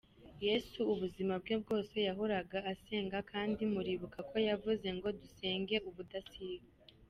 Yesu ubuzima bwe bwose yahoraga asenga, kandi muribuka ko yavuze ngo dusenge ubudasiba.